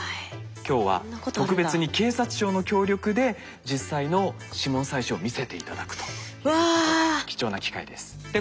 今日は特別に警察庁の協力で実際の指紋採取を見せて頂くということで貴重な機会です。わ。